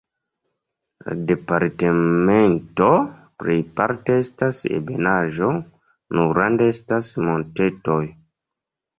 La departemento plejparte estas ebenaĵo, nur rande estas montetoj.